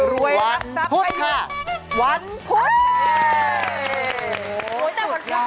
รวยรับราคาขี้วันพุธ